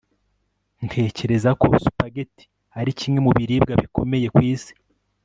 Ntekereza ko spaghetti ari kimwe mu biribwa bikomeye ku isi